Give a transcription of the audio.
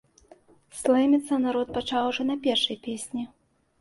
Слэміцца народ пачаў ужо на першай песні.